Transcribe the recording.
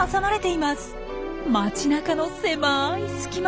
街なかの狭い隙間。